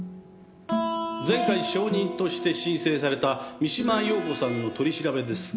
前回証人として申請された三島陽子さんの取り調べですが。